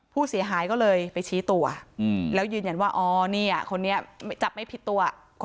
ผู้เสียหายก็เลยไปชี้ตัวแล้วยืนยันว่าอ๋อเนี่ยคนนี้จับไม่ผิดตัว